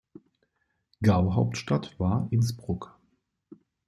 Gauhauptstadt war Innsbruck.